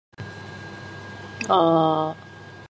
In ecclesiastical policy his views were moderate.